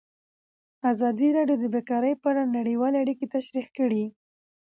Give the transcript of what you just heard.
ازادي راډیو د بیکاري په اړه نړیوالې اړیکې تشریح کړي.